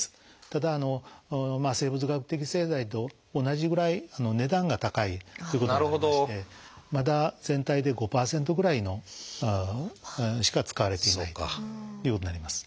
ただ生物学的製剤と同じぐらい値段が高いっていうこともありましてまだ全体で５％ぐらいしか使われていないということになります。